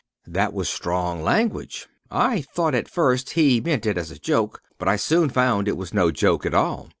That was strong language. I thought, at first, he meant it as a joke; but I soon found it was no joke at all.